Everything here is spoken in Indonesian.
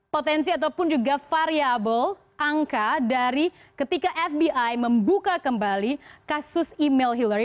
potensi ataupun juga variable angka dari ketika fbi membuka kembali kasus email hillary